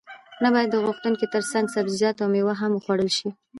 نه باید د غوښې ترڅنګ سبزیجات او میوه هم وخوړل شي